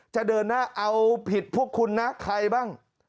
จะเดินหน้าเอาผิดพวกคุณนะใครบ้าง